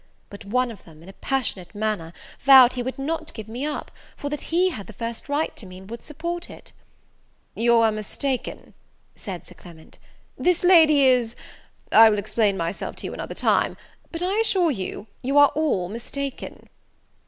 But one of them, in a passionate manner, vowed he would not give me up, for that he had the first right to me, and would support it. "You are mistaken," said Sir Clement, "this lady is I will explain myself to you another time; but, I assure you, you are all mistaken."